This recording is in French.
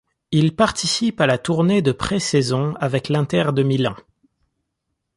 Il participe à la tournée de présaison avec l'Inter de Milan.